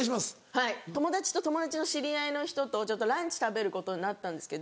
はい友達と友達の知り合いの人とランチ食べることになったんですけど